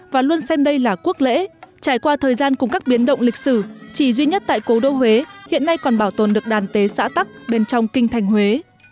và luôn xem đây là quốc lễ trải qua thời gian cùng các biến động lịch sử chỉ duy nhất tại cố đô huế hiện nay còn bảo tồn được đàn tế xã tắc bên trong kinh thành huế